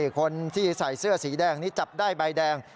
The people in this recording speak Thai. คนที่ใส่เสื้อสีแดงนี้จับได้ใบแดง